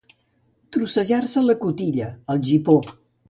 Trossar-se la cotilla, el gipó.